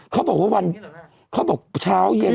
เขาบอกว่าวันเขาบอกเช้าเย็น